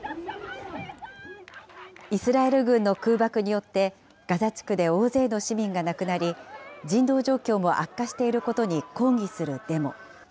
イスラエル軍の空爆によって、ガザ地区で大勢の市民が亡くなり、人道状況も悪化していることに抗議するデモ。